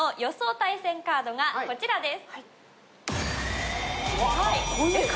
対戦カードがこちらです。